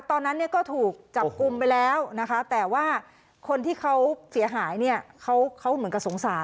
ตอนนั้นก็ถูกจับกุมไปแล้วแต่ว่าคนที่เขาเสียหายเขาเหมือนกับสงสาร